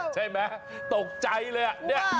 ใช่ไหมตกใจเลย